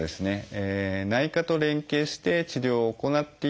内科と連携して治療を行っていくこともございます。